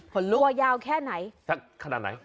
หือผัวยาวแค่ไหนแต่ขนาดไหน